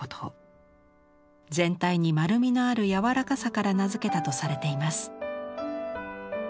全体に丸みのある柔らかさから名付けたとされています。